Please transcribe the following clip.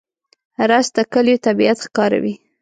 رس د کلیو طبیعت ښکاروي